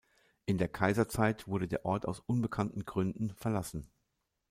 In der Kaiserzeit, wurde der Ort aus unbekannten Gründen verlassen.